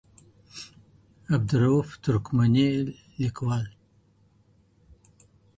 - عبدالروف ترکمنی، ليکوال.